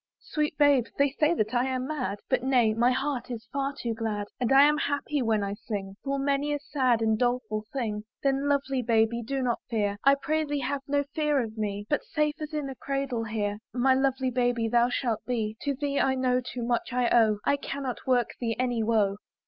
"Sweet babe! they say that I am mad, But nay, my heart is far too glad; And I am happy when I sing Full many a sad and doleful thing: Then, lovely baby, do not fear! I pray thee have no fear of me, But, safe as in a cradle, here My lovely baby! thou shalt be, To thee I know too much I owe; I cannot work thee any woe.